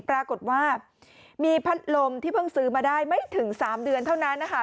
ปรากฏว่ามีพัดลมที่เพิ่งซื้อมาได้ไม่ถึง๓เดือนเท่านั้นนะคะ